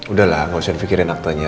udahlah nggak usah ngefikirin aktenya